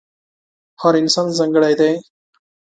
هر انسان ځانګړی دی.